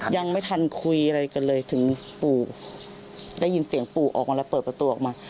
ยังไม่ทันคุยอะไรกันเลยถึงปู่ได้ยินเสียงปู่ออกมาแล้วเปิดประตูออกมา